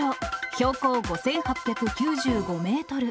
標高５８９５メートル。